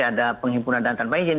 ada penghimpunan dan tanpa izin